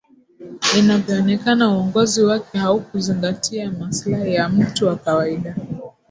inavyoonekana uongozi wake haukuzingatia maslahi ya mtu wa kawaida